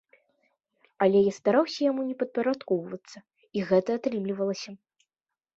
Але я стараўся яму не падпарадкоўвацца, і гэта атрымлівалася.